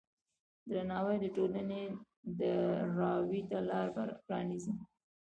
درناوی د ټولنې د راوي ته لاره پرانیزي.